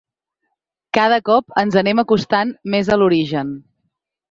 Cada cop ens anem acostant més a l’origen.